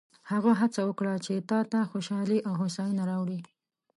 هغه هڅه وکړه چې تا ته خوشحالي او هوساینه راوړي.